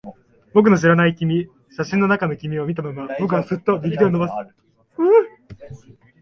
僕の知らない君。写真の中の君を見たまま、僕はすっと右手を伸ばす。